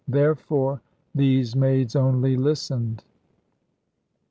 Therefore these maids only listened.